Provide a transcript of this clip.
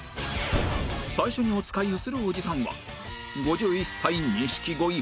最初におつかいをするおじさんは５１歳錦鯉長谷川